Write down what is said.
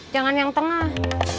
jangan yang tengah